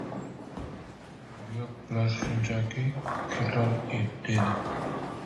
— Yo‘q, bular shunchaki kirlar, — dedi.